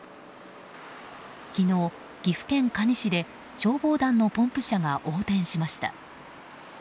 昨日、岐阜県可児市で消防団のポンプ車が横転しました。